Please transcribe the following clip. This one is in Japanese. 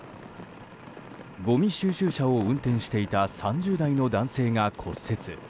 ごみ収集車を運転していた３０代の男性が骨折。